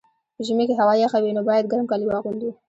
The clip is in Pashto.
په ژمي کي هوا یخه وي، نو باید ګرم کالي واغوندو.